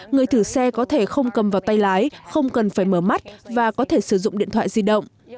người thử xe có thể không cầm vào tay lái không cần phải mở mắt và có thể sử dụng điện thoại di động